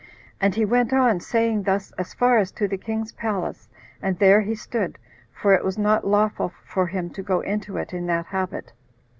And he went on saying thus as far as to the king's palace, and there he stood, for it was not lawful for him to go into it in that habit.